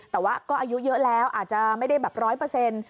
แต่ว่าก็อายุเยอะแล้วอาจจะไม่ได้แบบร้อยเปอร์เซ็นต์